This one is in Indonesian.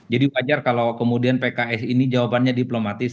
jadi wajar kalau kemudian pks ini jawabannya diplomatis